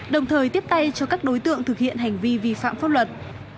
đồng thời tiếp tay cho các đối tượng thực hiện hành vi vi phạm pháp luật